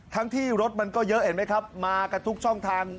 ทั้งที่รถมันก็เยอะเห็นไหมครับมากันทุกช่องทาง